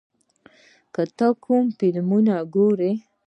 ته کوم فلمونه ګورې؟